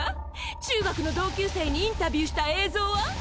中学の同級生にインタビューした映像は！？